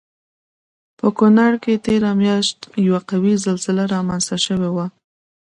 په کنړ کې تېره میاشت یوه قوي زلزله رامنځته شوی وه